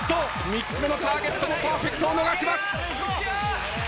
３つ目のターゲットもパーフェクトを逃します。